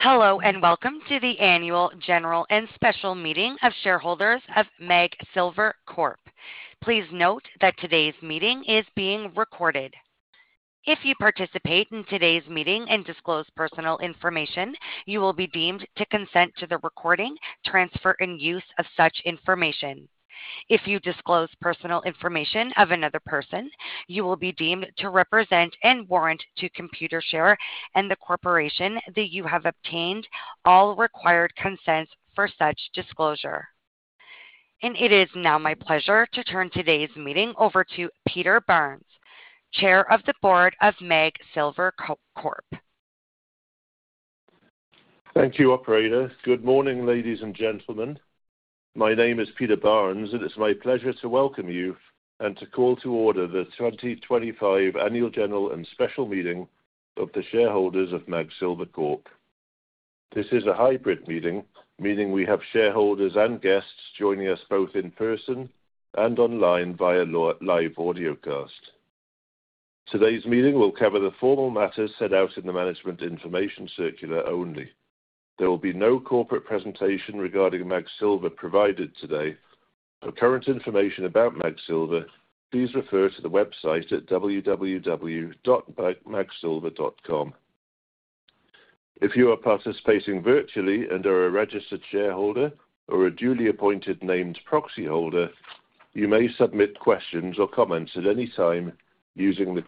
Hello, and welcome to the Annual General and Special Meeting of shareholders of MAG Silver Corp. Please note that today's meeting is being recorded. If you participate in today's meeting and disclose personal information, you will be deemed to consent to the recording, transfer, and use of such information. If you disclose personal information of another person, you will be deemed to represent and warrant to Computershare and the corporation that you have obtained all required consents for such disclosure. It is now my pleasure to turn today's meeting over to Peter Barnes, Chair of the Board of MAG Silver Corp. Thank you, operator. Good morning, ladies and gentlemen. My name is Peter Barnes, and it's my pleasure to welcome you and to call to order the 2025 Annual General and Special Meeting of the shareholders of MAG Silver. This is a hybrid meeting, meaning we have shareholders and guests joining us both in person and online via live audio cast. Today's meeting will cover the formal matters set out in the Management Information Circular only. There will be no corporate presentation regarding MAG Silver provided today. For current information about MAG Silver, please refer to the website at www.magsilver.com. If you are participating virtually and are a registered shareholder or a duly appointed named proxy holder, you may submit questions or comments at any time using the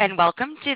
Q&A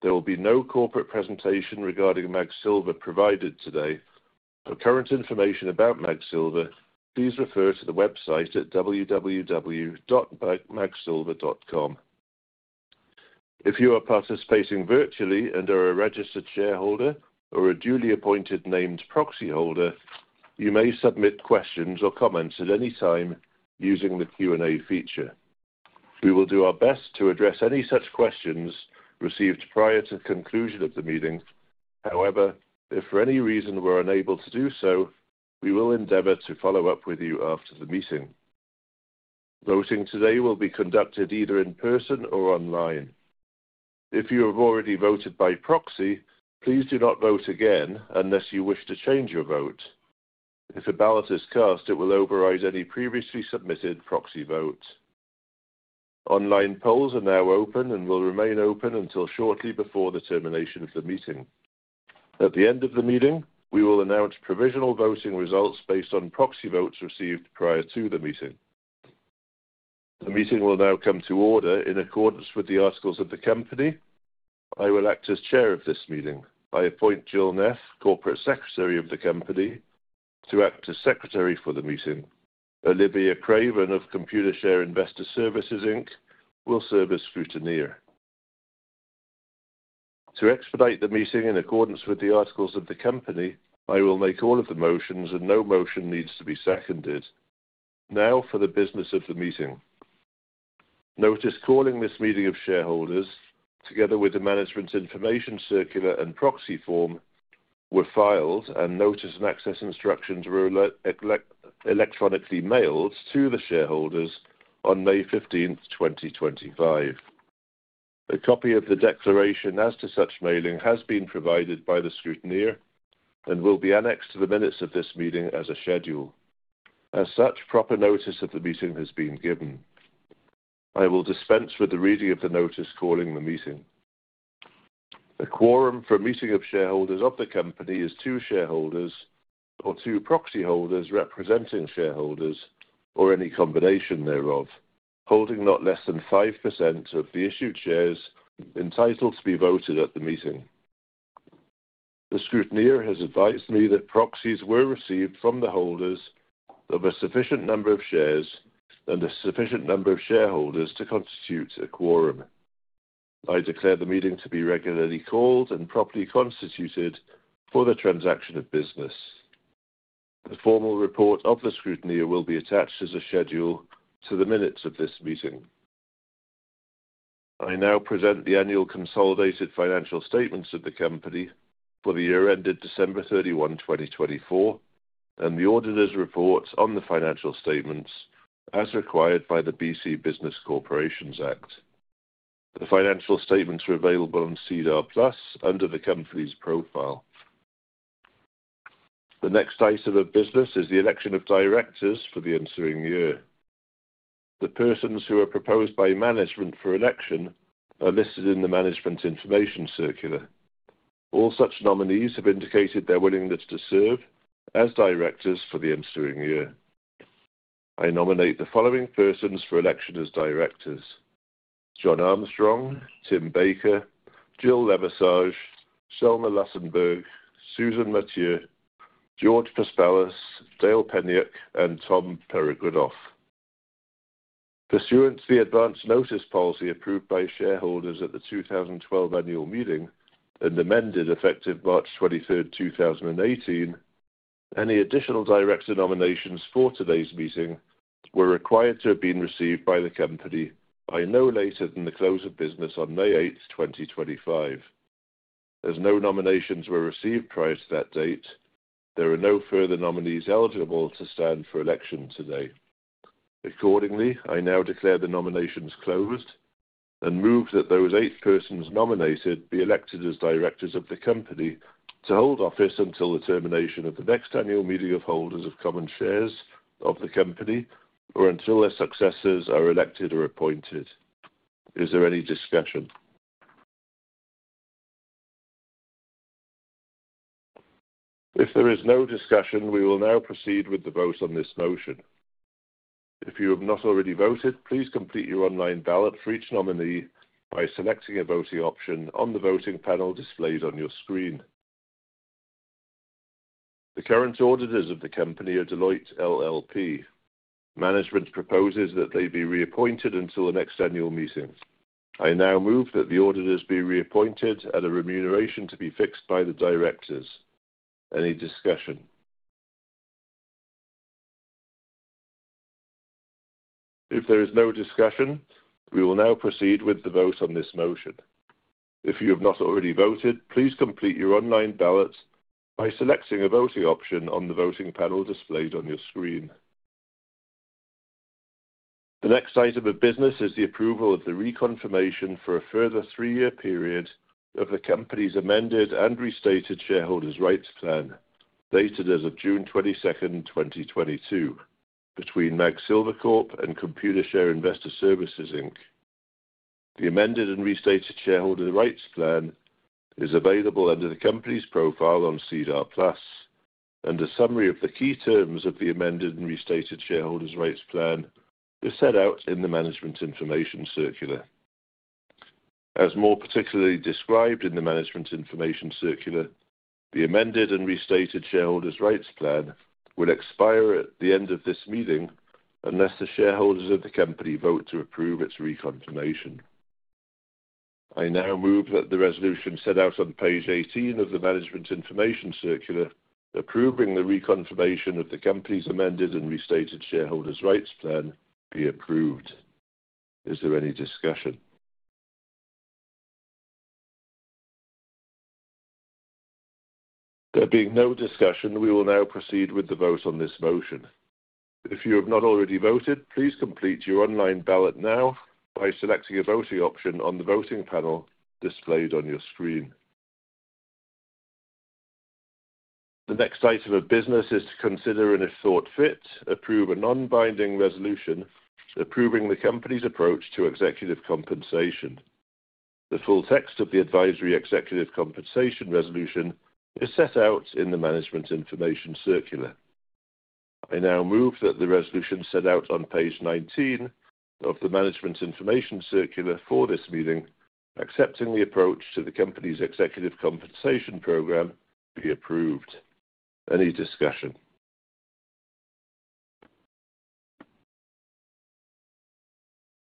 feature. We will do our best to address any such questions received prior to the conclusion of the meeting. However, if for any reason we're unable to do so, we will endeavor to follow up with you after the meeting. Voting today will be conducted either in person or online. If you have already voted by proxy, please do not vote again unless you wish to change your vote. If a ballot is cast, it will override any previously submitted proxy vote. Online polls are now open and will remain open until shortly before the termination of the meeting. At the end of the meeting, we will announce provisional voting results based on proxy votes received prior to the meeting. The meeting will now come to order in accordance with the articles of the company. I will act as Chair of this meeting. I appoint Jill Neff, Corporate Secretary of the company, to act as Secretary for the meeting. Olivia Craven of Computershare Investor Services Inc will serve as Scrutineer. To expedite the meeting in accordance with the articles of the company, I will make all of the motions, and no motion needs to be seconded. Now for the business of the meeting. Notice calling this meeting of shareholders, together with the Management Information Circular and proxy form, were filed, and notice and access instructions were electronically mailed to the shareholders on May 15th, 2025. A copy of the declaration as to such mailing has been provided by the scrutineer and will be annexed to the minutes of this meeting as a schedule. As such, proper notice of the meeting has been given. I will dispense with the reading of the notice calling the meeting. The quorum for meeting of shareholders of the company is two shareholders or two proxy holders representing shareholders or any combination thereof, holding not less than 5% of the issued shares entitled to be voted at the meeting. The scrutineer has advised me that proxies were received from the holders of a sufficient number of shares and a sufficient number of shareholders to constitute a quorum. I declare the meeting to be regularly called and properly constituted for the transaction of business. The formal report of the scrutineer will be attached as a schedule to the minutes of this meeting. I now present the annual consolidated financial statements of the company for the year ended December 31, 2024, and the auditor's report on the financial statements as required by the BC Business Corporations Act. The financial statements are available on SEDAR+ under the company's profile. The next item of business is the election of directors for the ensuing year. The persons who are proposed by management for election are listed in the Management Information Circular. All such nominees have indicated their willingness to serve as directors for the ensuing year. I nominate the following persons for election as directors: John Armstrong, Tim Baker, Jill Lavigne, Selma Lussenburg, Susan Mathieu, George Paspalas, Dale Peniuk, and Tom Peregoodoff. Pursuant to the Advance Notice Policy approved by shareholders at the 2012 annual meeting and amended effective March 23rd, 2018, any additional director nominations for today's meeting were required to have been received by the company by no later than the close of business on May 8th, 2025. As no nominations were received prior to that date, there are no further nominees eligible to stand for election today. Accordingly, I now declare the nominations closed and move that those eight persons nominated be elected as Directors of the company to hold office until the termination of the next annual meeting of holders of common shares of the company or until their successors are elected or appointed. Is there any discussion? If there is no discussion, we will now proceed with the vote on this motion. If you have not already voted, please complete your online ballot for each nominee by selecting a voting option on the voting panel displayed on your screen. The current auditors of the company are Deloitte LLP. Management proposes that they be reappointed until the next annual meeting. I now move that the auditors be reappointed at a remuneration to be fixed by the directors. Any discussion? If there is no discussion, we will now proceed with the vote on this motion. If you have not already voted, please complete your online ballot by selecting a voting option on the voting panel displayed on your screen. The next item of business is the approval of the reconfirmation for a further three-year period of the company's amended and restated Shareholders' Rights Plan dated as of June 22nd, 2022, between MAG Silver Corp and Computershare Investor Services Inc. The amended and restated Shareholders' Rights Plan is available under the company's profile on SEDAR+, and a summary of the key terms of the amended and restated Shareholders' Rights Plan is set out in the Management Information Circular. As more particularly described in the Management Information Circular, the amended and restated Shareholders' Rights Plan will expire at the end of this meeting unless the shareholders of the company vote to approve its reconfirmation. I now move that the resolution set out on page 18 of the Management Information Circular approving the reconfirmation of the company's amended and restated Shareholders' Rights Plan be approved. Is there any discussion? There being no discussion, we will now proceed with the vote on this motion. If you have not already voted, please complete your online ballot now by selecting a voting option on the voting panel displayed on your screen. The next item of business is to consider and, if thought fit, approve a non-binding resolution approving the company's approach to executive compensation. The full text of the advisory executive compensation resolution is set out in the Management Information Circular. I now move that the resolution set out on page 19 of the Management Information Circular for this meeting accepting the approach to the company's executive compensation program be approved. Any discussion?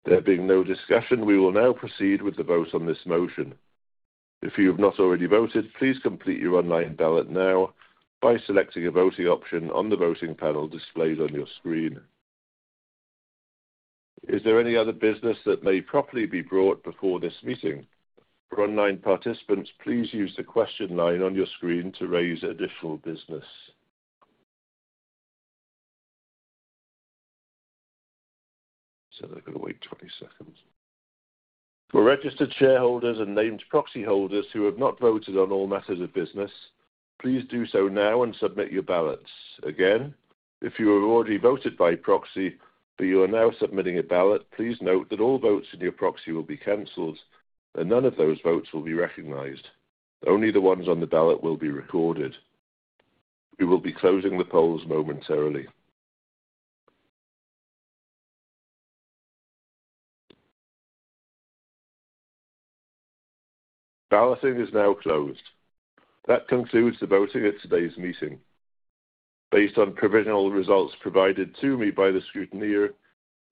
There being no discussion, we will now proceed with the vote on this motion. If you have not already voted, please complete your online ballot now by selecting a voting option on the voting panel displayed on your screen. Is there any other business that may properly be brought before this meeting? For online participants, please use the question line on your screen to raise additional business. They are going to wait 20 seconds. For registered shareholders and named proxy holders who have not voted on all matters of business, please do so now and submit your ballots. Again, if you have already voted by proxy but you are now submitting a ballot, please note that all votes in your proxy will be canceled and none of those votes will be recognized. Only the ones on the ballot will be recorded. We will be closing the polls momentarily. Balloting is now closed. That concludes the voting at today's meeting. Based on provisional results provided to me by the scrutineer,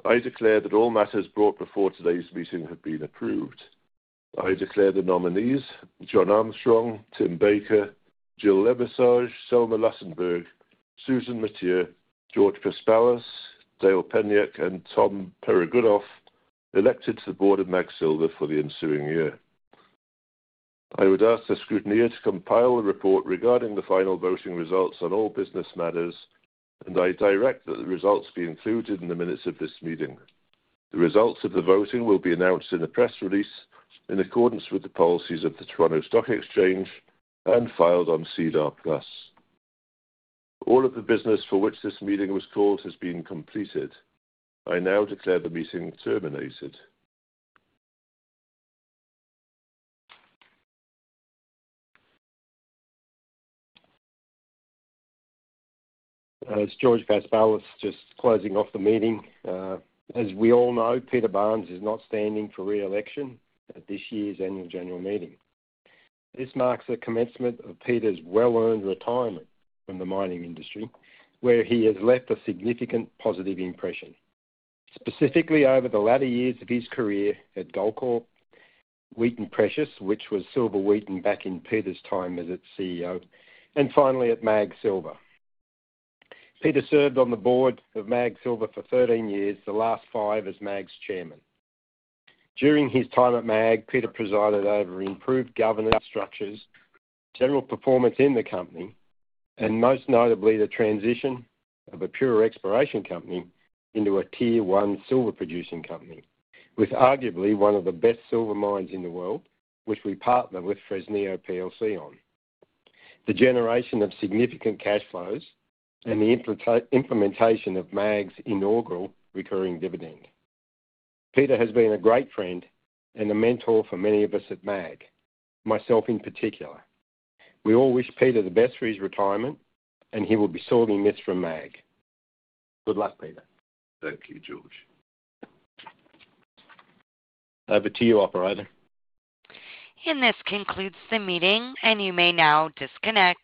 I declare that all matters brought before today's meeting have been approved. I declare the nominees: John Armstrong, Tim Baker, Jill Lavigne, Selma Lussenburg, Susan Mathieu, George Paspalas, Dale Peniuk, and Tom Peregoodoff elected to the board of MAG Silver for the ensuing year. I would ask the scrutineer to compile the report regarding the final voting results on all business matters, and I direct that the results be included in the minutes of this meeting. The results of the voting will be announced in a press release in accordance with the policies of the Toronto Stock Exchange and filed on SEDAR+. All of the business for which this meeting was called has been completed. I now declare the meeting terminated. As George Paspalas, just closing off the meeting. As we all know, Peter Barnes is not standing for re-election at this year's annual general meeting. This marks the commencement of Peter's well-earned retirement from the mining industry, where he has left a significant positive impression, specifically over the latter years of his career at Goldcorp, Wheaton Precious, which was Silver Wheaton back in Peter's time as its CEO, and finally at MAG Silver. Peter served on the board of MAG Silver for 13 years, the last five as MAG's chairman. Peter has been a great friend and a mentor for many of us at MAG, myself in particular. We all wish Peter the best for his retirement, and he will be sorting this from MAG. Good luck, Peter. Thank you, George. Over to you, Operator. This concludes the meeting, and you may now disconnect.